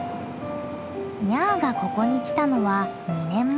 ニャアがここに来たのは２年前。